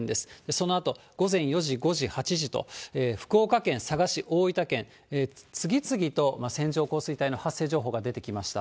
そのあと午前４時、５時、８時と、福岡県、佐賀県、大分県と次々と線状降水帯の発生情報が出てきました。